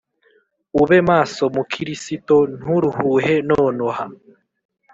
Ube maso mukirisito nturuhuhe nonoha